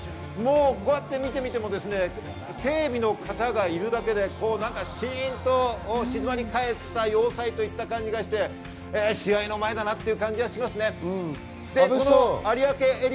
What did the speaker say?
こうやって見てみても警備の方がいるだけでシンと静まり返った要塞という感じがして試合の前だなという感じがしますね。